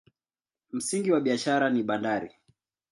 Msingi wa biashara ni bandari.